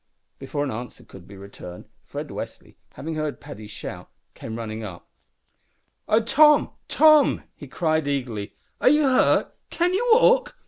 Before an answer could be returned, Fred Westly, having heard Paddy's shout, came running up. "Oh! Tom, Tom," he cried, eagerly, "are you hurt? Can you walk?